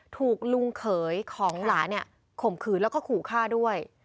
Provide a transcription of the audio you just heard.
ถูกลุงเขยของหลานเนี่ยข่มขืนแล้วก็ขู่ฆ่าด้วย